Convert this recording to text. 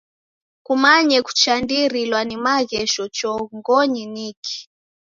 Kumanye kuchandirilwa ni maghesho chongonyi niki.